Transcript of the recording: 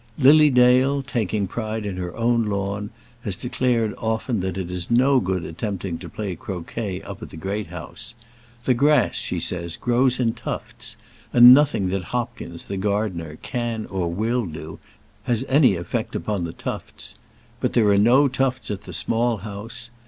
Lily Dale, taking pride in her own lawn, has declared often that it is no good attempting to play croquet up at the Great House. The grass, she says, grows in tufts, and nothing that Hopkins, the gardener, can or will do has any effect upon the tufts. But there are no tufts at the Small House.